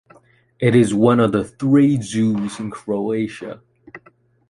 It is one of the three zoos in Croatia.